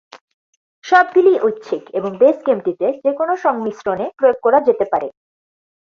সবগুলি ঐচ্ছিক এবং বেস গেমটিতে যেকোনো সংমিশ্রণে প্রয়োগ করা যেতে পারে।